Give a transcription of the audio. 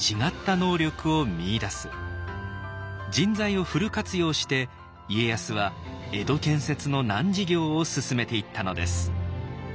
人材をフル活用して家康は江戸建設の難事業を進めていったのです。